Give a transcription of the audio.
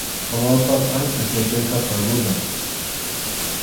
Amawtaqa ancha yachaysapa runam.